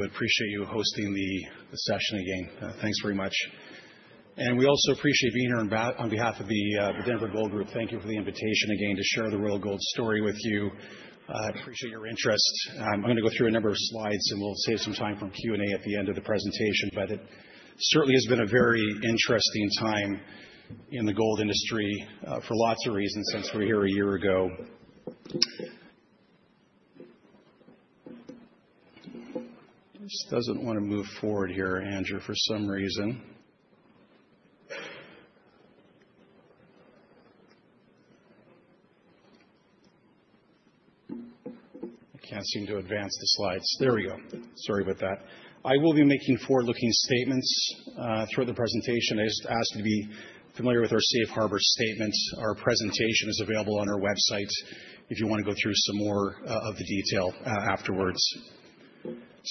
We appreciate you hosting the session again. Thanks very much. We also appreciate being here on behalf of the Denver Gold Group. Thank you for the invitation again to share the Royal Gold story with you. I appreciate your interest. I'm going to go through a number of slides, and we'll save some time for Q&A at the end of the presentation. It certainly has been a very interesting time in the gold industry for lots of reasons since we were here a year ago. This does not want to move forward here, Andrew, for some reason. I can't seem to advance the slides. There we go. Sorry about that. I will be making forward-looking statements throughout the presentation. I just ask you to be familiar with our Safe Harbor Statement. Our presentation is available on our website if you want to go through some more of the detail afterwards.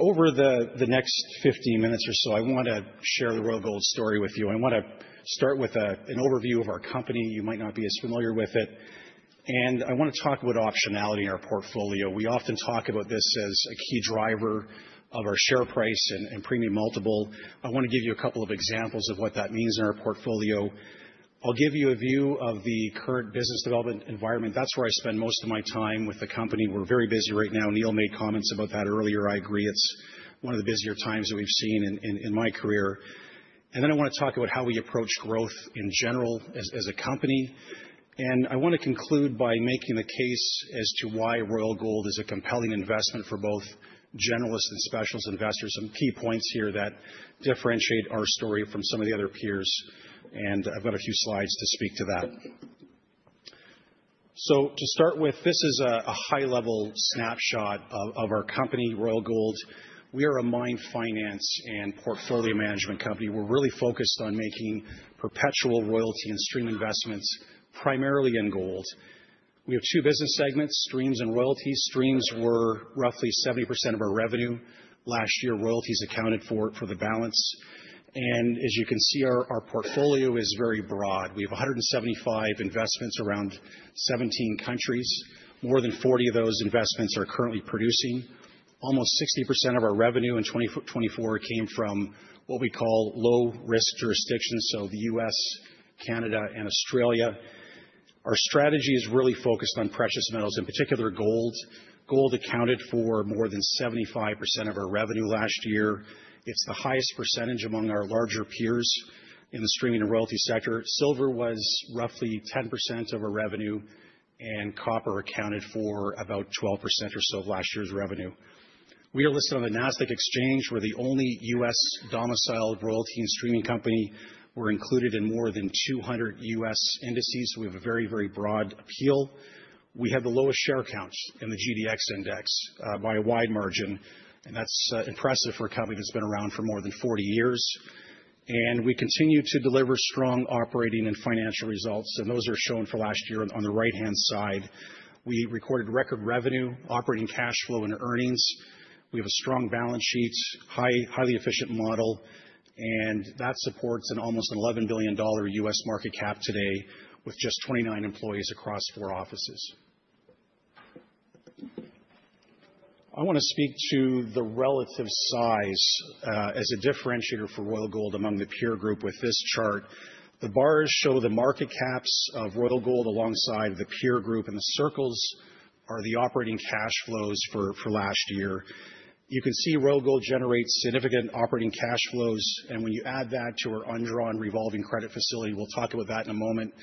Over the next 15 minutes or so, I want to share the Royal Gold story with you. I want to start with an overview of our company. You might not be as familiar with it. I want to talk about optionality in our portfolio. We often talk about this as a key driver of our share price and premium multiple. I want to give you a couple of examples of what that means in our portfolio. I'll give you a view of the current business development environment. That's where I spend most of my time with the company. We're very busy right now. Neil made comments about that earlier. I agree. It's one of the busier times that we've seen in my career. I want to talk about how we approach growth in general as a company. I want to conclude by making the case as to why Royal Gold is a compelling investment for both generalists and specialist investors. Some key points here that differentiate our story from some of the other peers. I have a few slides to speak to that. To start with, this is a high-level snapshot of our company, Royal Gold. We are a mine finance and portfolio management company. We are really focused on making perpetual royalty and stream investments primarily in gold. We have two business segments: streams and royalties. Streams were roughly 70% of our revenue last year. Royalties accounted for the balance. As you can see, our portfolio is very broad. We have 175 investments around 17 countries. More than 40 of those investments are currently producing. Almost 60% of our revenue in 2024 came from what we call low-risk jurisdictions, so the US, Canada, and Australia. Our strategy is really focused on precious metals, in particular gold. Gold accounted for more than 75% of our revenue last year. It's the highest percentage among our larger peers in the streaming and royalty sector. Silver was roughly 10% of our revenue, and copper accounted for about 12% or so of last year's revenue. We are listed on the Nasdaq Exchange. We're the only US-domiciled royalty and streaming company. We're included in more than 200 US indices. We have a very, very broad appeal. We have the lowest share count in the GDX index by a wide margin, and that's impressive for a company that's been around for more than 40 years. We continue to deliver strong operating and financial results, and those are shown for last year on the right-hand side. We recorded record revenue, operating cash flow, and earnings. We have a strong balance sheet, highly efficient model, and that supports an almost $11 billion US market cap today with just 29 employees across four offices. I want to speak to the relative size as a differentiator for Royal Gold among the peer group with this chart. The bars show the market caps of Royal Gold alongside the peer group, and the circles are the operating cash flows for last year. You can see Royal Gold generates significant operating cash flows, and when you add that to our undrawn revolving credit facility, we'll talk about that in a moment,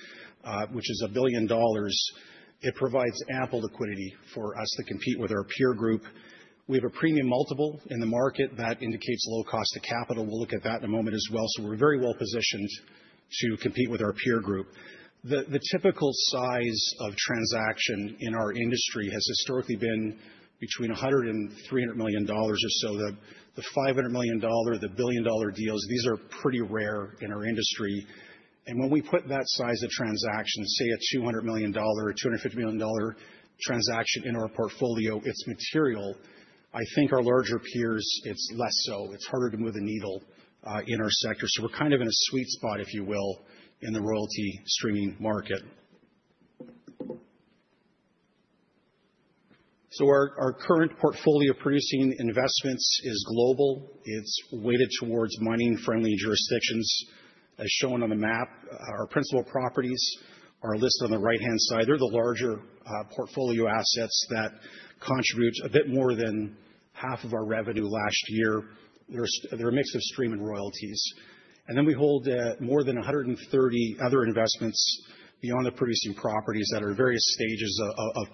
which is $1 billion. It provides ample liquidity for us to compete with our peer group. We have a premium multiple in the market that indicates low cost of capital. We'll look at that in a moment as well. We are very well positioned to compete with our peer group. The typical size of transaction in our industry has historically been between $100 million and $300 million or so. The $500 million, the billion-dollar deals, these are pretty rare in our industry. When we put that size of transaction, say a $200 million, $250 million transaction in our portfolio, it's material. I think our larger peers, it's less so. It's harder to move the needle in our sector. We are kind of in a sweet spot, if you will, in the royalty streaming market. Our current portfolio producing investments is global. It's weighted towards mining-friendly jurisdictions, as shown on the map. Our principal properties are listed on the right-hand side. They're the larger portfolio assets that contribute a bit more than half of our revenue last year. They're a mix of streams and royalties. We hold more than 130 other investments beyond the producing properties that are in various stages of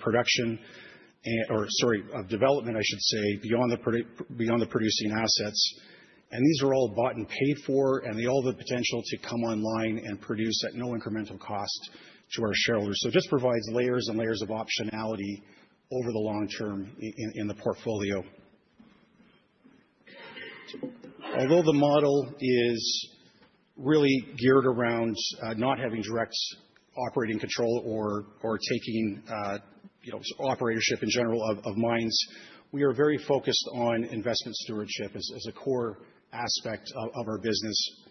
development, I should say, beyond the producing assets. These are all bought and paid for, and they all have the potential to come online and produce at no incremental cost to our shareholders. It just provides layers and layers of optionality over the long term in the portfolio. Although the model is really geared around not having direct operating control or taking operatorship in general of mines, we are very focused on investment stewardship as a core aspect of our business.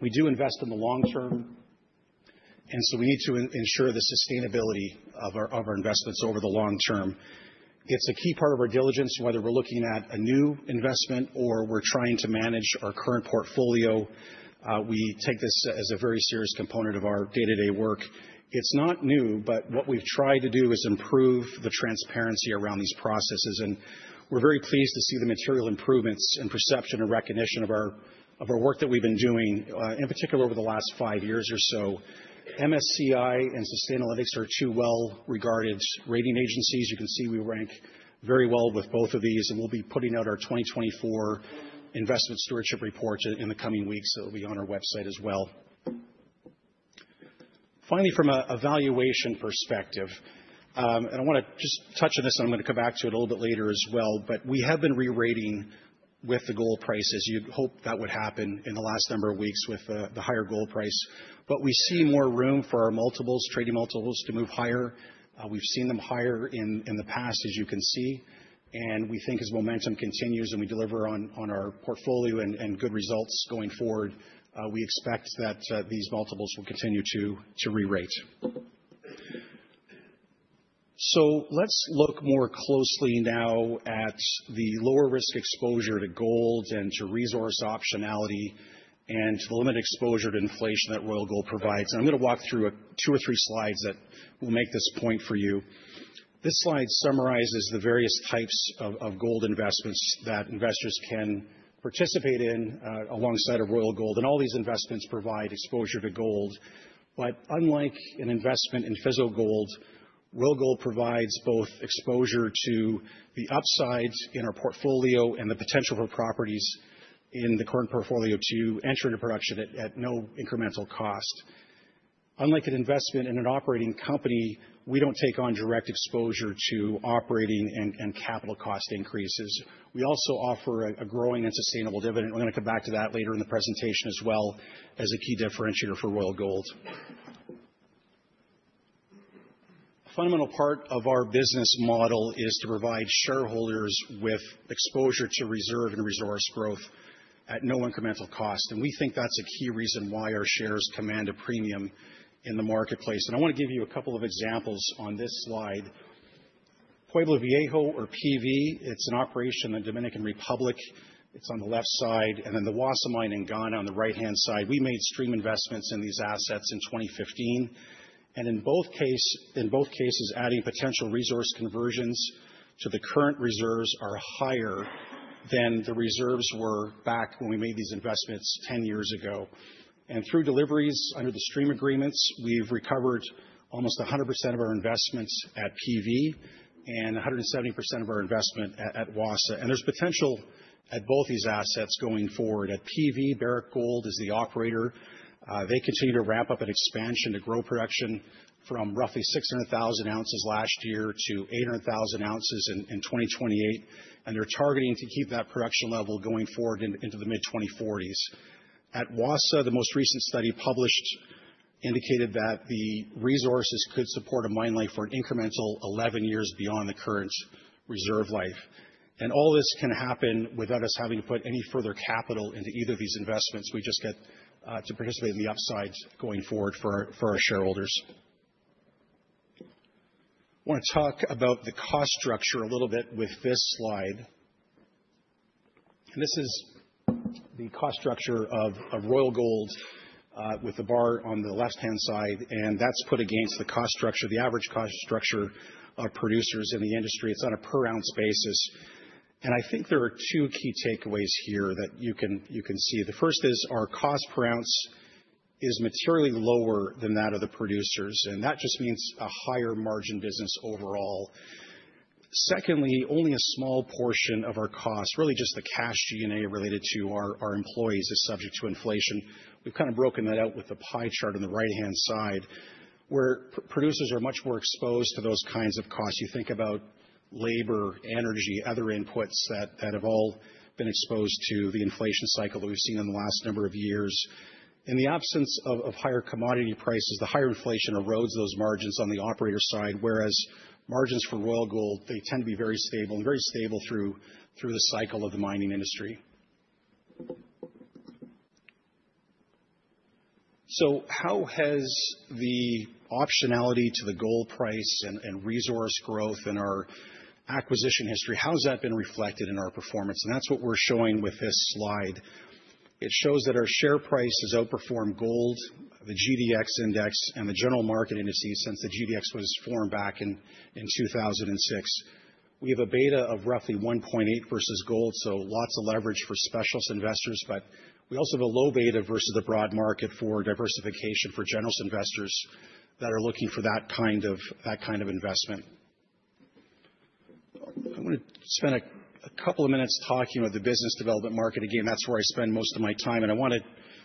We do invest in the long term, and so we need to ensure the sustainability of our investments over the long term. It's a key part of our diligence, whether we're looking at a new investment or we're trying to manage our current portfolio. We take this as a very serious component of our day-to-day work. It's not new, but what we've tried to do is improve the transparency around these processes. We are very pleased to see the material improvements in perception and recognition of our work that we've been doing, in particular over the last five years or so. MSCI and Sustainalytics are two well-regarded rating agencies. You can see we rank very well with both of these, and we'll be putting out our 2024 Investment Stewardship Report in the coming weeks. It'll be on our website as well. Finally, from an evaluation perspective, and I want to just touch on this, and I'm going to come back to it a little bit later as well, but we have been re-rating with the gold prices. You'd hope that would happen in the last number of weeks with the higher gold price. We see more room for our multiples, trading multiples, to move higher. We've seen them higher in the past, as you can see. We think as momentum continues and we deliver on our portfolio and good results going forward, we expect that these multiples will continue to re-rate. Let's look more closely now at the lower risk exposure to gold and to resource optionality and to the limited exposure to inflation that Royal Gold provides. I'm going to walk through two or three slides that will make this point for you. This slide summarizes the various types of gold investments that investors can participate in alongside of Royal Gold. All these investments provide exposure to gold. Unlike an investment in physical gold, Royal Gold provides both exposure to the upside in our portfolio and the potential for properties in the current portfolio to enter into production at no incremental cost. Unlike an investment in an operating company, we do not take on direct exposure to operating and capital cost increases. We also offer a growing and sustainable dividend. We are going to come back to that later in the presentation as well as a key differentiator for Royal Gold. A fundamental part of our business model is to provide shareholders with exposure to reserve and resource growth at no incremental cost. We think that is a key reason why our shares command a premium in the marketplace. I want to give you a couple of examples on this slide. Pueblo Viejo, or PV, is an operation in the Dominican Republic. It is on the left side. The Wassa Mine in Ghana is on the right-hand side. We made stream investments in these assets in 2015. In both cases, adding potential resource conversions to the current reserves are higher than the reserves were back when we made these investments 10 years ago. Through deliveries under the stream agreements, we have recovered almost 100% of our investments at PV and 170% of our investment at Wassa. There is potential at both these assets going forward. At PV, Barrick Gold is the operator. They continue to ramp up an expansion to grow production from roughly 600,000 ounces last year to 800,000 ounces in 2028. They are targeting to keep that production level going forward into the mid-2040s. At Wassa, the most recent study published indicated that the resources could support a mine life for an incremental 11 years beyond the current reserve life. All this can happen without us having to put any further capital into either of these investments. We just get to participate in the upside going forward for our shareholders. I want to talk about the cost structure a little bit with this slide. This is the cost structure of Royal Gold with the bar on the left-hand side. That is put against the cost structure, the average cost structure of producers in the industry. It is on a per-ounce basis. I think there are two key takeaways here that you can see. The first is our cost per ounce is materially lower than that of the producers. That just means a higher margin business overall. Secondly, only a small portion of our cost, really just the cash G&A related to our employees, is subject to inflation. We've kind of broken that out with the pie chart on the right-hand side, where producers are much more exposed to those kinds of costs. You think about labor, energy, other inputs that have all been exposed to the inflation cycle that we've seen in the last number of years. In the absence of higher commodity prices, the higher inflation erodes those margins on the operator side, whereas margins for Royal Gold, they tend to be very stable and very stable through the cycle of the mining industry. How has the optionality to the gold price and resource growth in our acquisition history, how has that been reflected in our performance? That is what we're showing with this slide. It shows that our share price has outperformed gold, the GDX index, and the general market indices since the GDX was formed back in 2006. We have a beta of roughly 1.8 versus gold, so lots of leverage for specialist investors. We also have a low beta versus the broad market for diversification for general investors that are looking for that kind of investment. I want to spend a couple of minutes talking about the business development market. Again, that's where I spend most of my time. I want to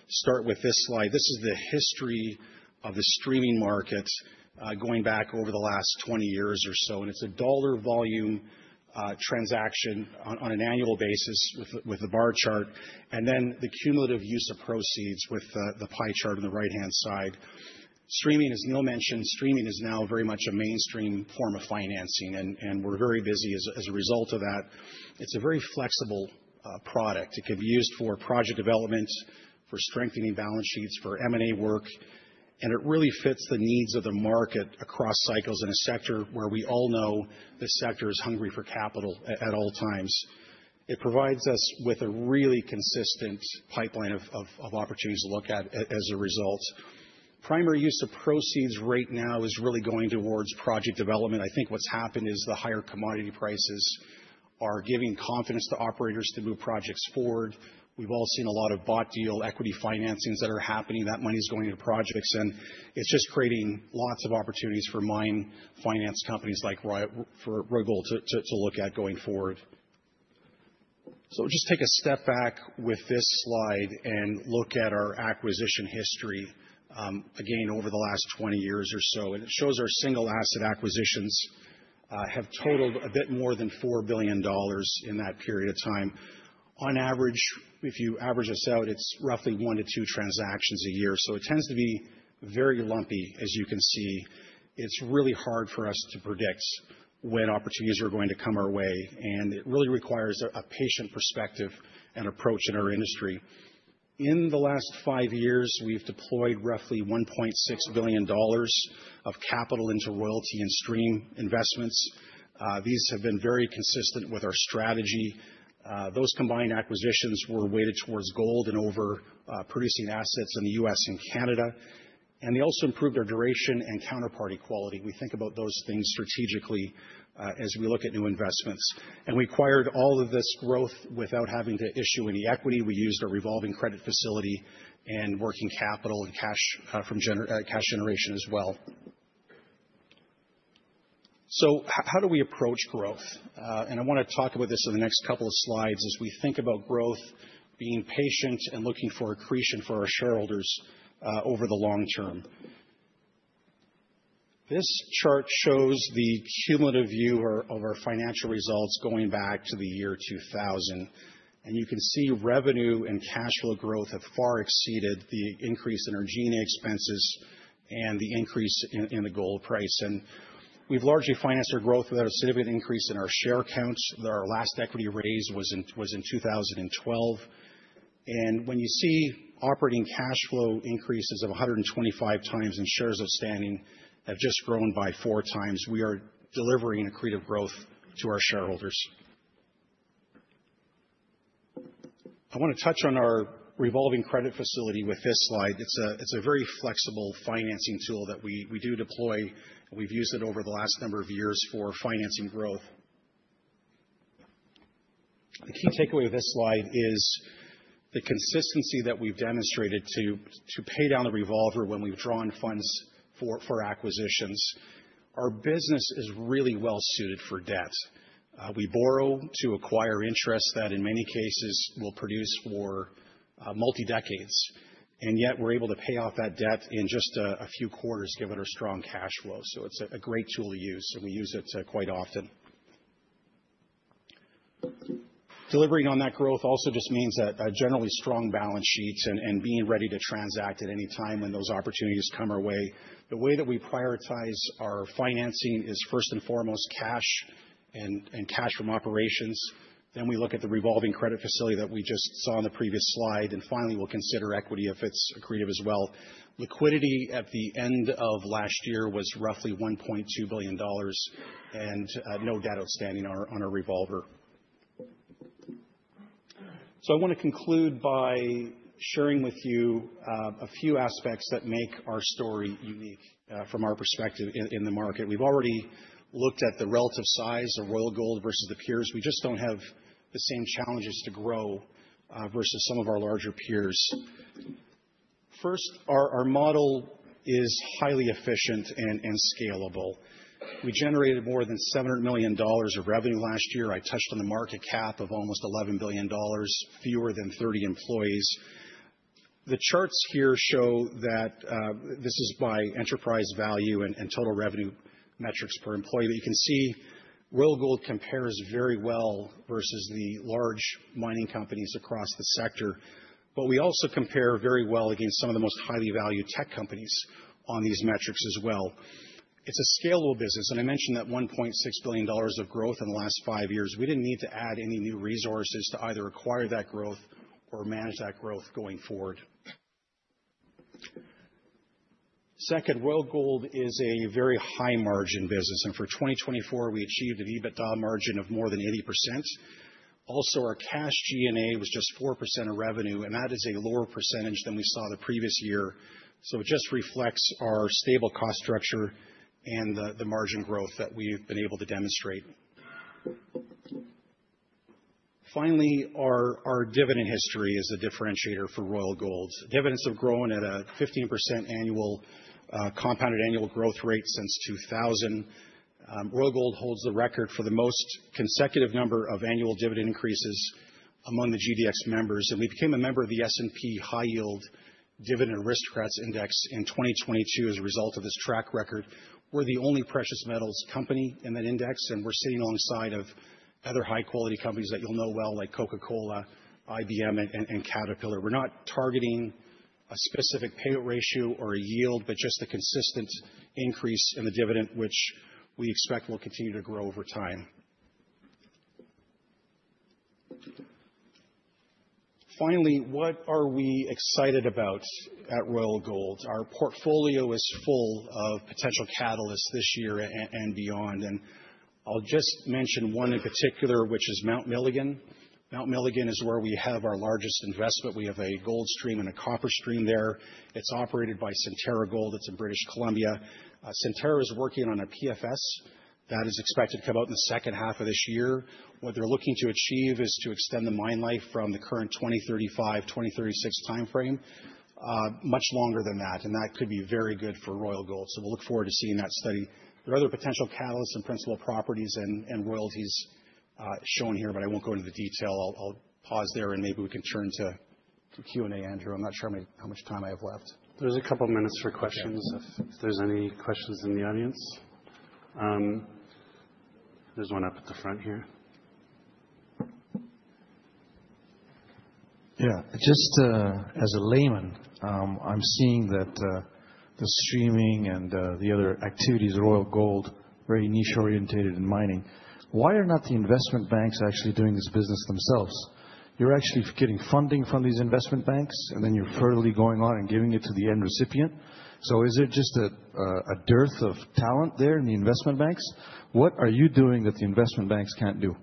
start with this slide. This is the history of the streaming market going back over the last 20 years or so. It is a dollar volume transaction on an annual basis with the bar chart, and then the cumulative use of proceeds with the pie chart on the right-hand side. Streaming, as Neil mentioned, streaming is now very much a mainstream form of financing, and we're very busy as a result of that. It's a very flexible product. It can be used for project development, for strengthening balance sheets, for M&A work. It really fits the needs of the market across cycles in a sector where we all know the sector is hungry for capital at all times. It provides us with a really consistent pipeline of opportunities to look at as a result. Primary use of proceeds right now is really going towards project development. I think what's happened is the higher commodity prices are giving confidence to operators to move projects forward. We've all seen a lot of bought-deal equity financings that are happening. That money is going into projects, and it's just creating lots of opportunities for mine finance companies like Royal Gold to look at going forward. We will just take a step back with this slide and look at our acquisition history again over the last 20 years or so. It shows our single asset acquisitions have totaled a bit more than $4 billion in that period of time. On average, if you average us out, it's roughly one to two transactions a year. It tends to be very lumpy, as you can see. It's really hard for us to predict when opportunities are going to come our way, and it really requires a patient perspective and approach in our industry. In the last five years, we've deployed roughly $1.6 billion of capital into royalty and stream investments. These have been very consistent with our strategy. Those combined acquisitions were weighted towards gold and over producing assets in the US and Canada. They also improved our duration and counterparty quality. We think about those things strategically as we look at new investments. We acquired all of this growth without having to issue any equity. We used our revolving credit facility and working capital and cash from cash generation as well. How do we approach growth? I want to talk about this in the next couple of slides as we think about growth, being patient and looking for accretion for our shareholders over the long term. This chart shows the cumulative view of our financial results going back to the year 2000. You can see revenue and cash flow growth have far exceeded the increase in our G&A expenses and the increase in the gold price. We have largely financed our growth without a significant increase in our share count. Our last equity raise was in 2012. When you see operating cash flow increases of 125 times and shares outstanding have just grown by four times, we are delivering accretive growth to our shareholders. I want to touch on our revolving credit facility with this slide. It is a very flexible financing tool that we do deploy. We have used it over the last number of years for financing growth. The key takeaway of this slide is the consistency that we have demonstrated to pay down the revolver when we have drawn funds for acquisitions. Our business is really well suited for debt. We borrow to acquire interest that, in many cases, will produce for multi-decades. Yet we are able to pay off that debt in just a few quarters, given our strong cash flow. It is a great tool to use, and we use it quite often. Delivering on that growth also just means a generally strong balance sheet and being ready to transact at any time when those opportunities come our way. The way that we prioritize our financing is, first and foremost, cash and cash from operations. Then we look at the revolving credit facility that we just saw on the previous slide. Finally, we will consider equity if it is accretive as well. Liquidity at the end of last year was roughly $1.2 billion and no debt outstanding on our revolver. I want to conclude by sharing with you a few aspects that make our story unique from our perspective in the market. We have already looked at the relative size of Royal Gold versus the peers. We just do not have the same challenges to grow versus some of our larger peers. First, our model is highly efficient and scalable. We generated more than $700 million of revenue last year. I touched on the market cap of almost $11 billion, fewer than 30 employees. The charts here show that this is by enterprise value and total revenue metrics per employee. You can see Royal Gold compares very well versus the large mining companies across the sector. We also compare very well against some of the most highly valued tech companies on these metrics as well. It is a scalable business. I mentioned that $1.6 billion of growth in the last five years. We did not need to add any new resources to either acquire that growth or manage that growth going forward. Second, Royal Gold is a very high margin business. For 2024, we achieved an EBITDA margin of more than 80%. Also, our cash G&A was just 4% of revenue, and that is a lower percentage than we saw the previous year. It just reflects our stable cost structure and the margin growth that we've been able to demonstrate. Finally, our dividend history is a differentiator for Royal Gold. Dividends have grown at a 15% annual compounded annual growth rate since 2000. Royal Gold holds the record for the most consecutive number of annual dividend increases among the GDX members. We became a member of the S&P High Yield Dividend Aristocrats Index in 2022 as a result of this track record. We're the only precious metals company in that index, and we're sitting alongside other high-quality companies that you'll know well, like Coca-Cola, IBM, and Caterpillar. We're not targeting a specific payout ratio or a yield, but just a consistent increase in the dividend, which we expect will continue to grow over time. Finally, what are we excited about at Royal Gold? Our portfolio is full of potential catalysts this year and beyond. I'll just mention one in particular, which is Mount Milligan. Mount Milligan is where we have our largest investment. We have a gold stream and a copper stream there. It's operated by Centerra Gold. It's in British Columbia. Centerra is working on a PFS that is expected to come out in the second half of this year. What they're looking to achieve is to extend the mine life from the current 2035, 2036 timeframe much longer than that. That could be very good for Royal Gold. We look forward to seeing that study. There are other potential catalysts and principal properties and royalties shown here, but I won't go into the detail. I'll pause there, and maybe we can turn to Q&A, Andrew. I'm not sure how much time I have left. There's a couple of minutes for questions, if there's any questions in the audience. There's one up at the front here. Yeah, just as a layman, I'm seeing that the streaming and the other activities, Royal Gold, very niche-orientated in mining. Why are not the investment banks actually doing this business themselves? You're actually getting funding from these investment banks, and then you're furtherly going on and giving it to the end recipient. Is there just a dearth of talent there in the investment banks? What are you doing that the investment banks can't do?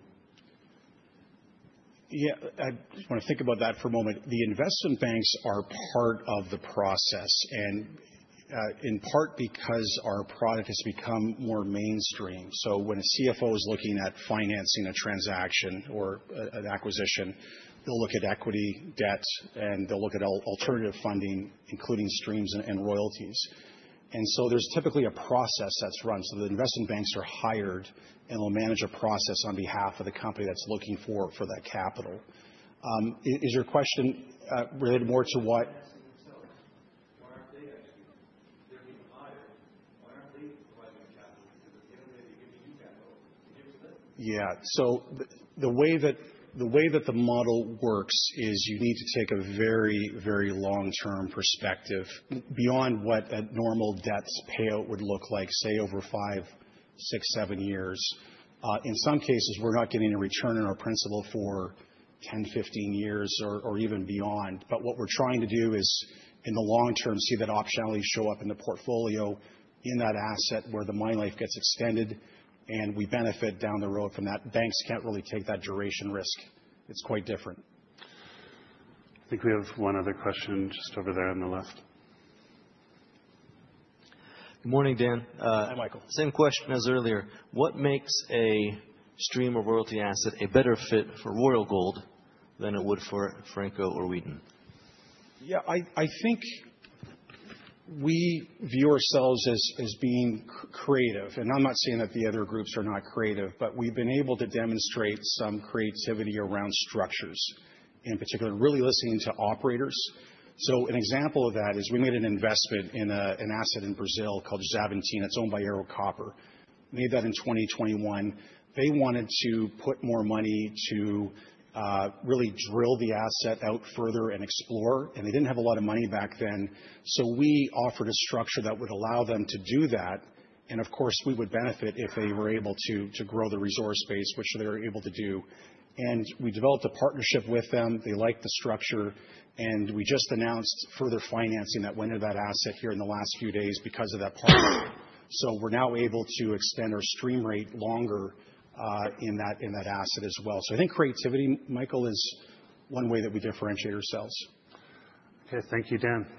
Yeah, I just want to think about that for a moment. The investment banks are part of the process, and in part because our product has become more mainstream. When a CFO is looking at financing a transaction or an acquisition, they'll look at equity, debt, and they'll look at alternative funding, including streams and royalties. There is typically a process that's run. The investment banks are hired, and they'll manage a process on behalf of the company that's looking for that capital. Is your question related more to what? Why aren't they actually—they're being hired. Why aren't they providing the capital? Because at the end of the day, they're giving you capital to give to them. Yeah. The way that the model works is you need to take a very, very long-term perspective beyond what a normal debt's payout would look like, say, over five, six, seven years. In some cases, we're not getting a return on our principal for 10, 15 years or even beyond. What we're trying to do is, in the long term, see that optionality show up in the portfolio in that asset where the mine life gets extended and we benefit down the road from that. Banks can't really take that duration risk. It's quite different. I think we have one other question just over there on the left. Good morning, Dan. Hi, Michael. Same question as earlier. What makes a stream or royalty asset a better fit for Royal Gold than it would for Franco or Wheaton? Yeah, I think we view ourselves as being creative. I'm not saying that the other groups are not creative, but we've been able to demonstrate some creativity around structures, in particular, really listening to operators. An example of that is we made an investment in an asset in Brazil called Xavantina. It's owned by Ero Copper. Made that in 2021. They wanted to put more money to really drill the asset out further and explore. They didn't have a lot of money back then. We offered a structure that would allow them to do that. Of course, we would benefit if they were able to grow the resource base, which they were able to do. We developed a partnership with them. They liked the structure. We just announced further financing that went into that asset here in the last few days because of that partnership. We're now able to extend our stream rate longer in that asset as well. I think creativity, Michael, is one way that we differentiate ourselves. Okay, thank you, Dan.